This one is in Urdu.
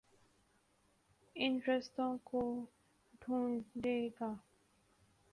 ان رستوں کو ڈھونڈے گا۔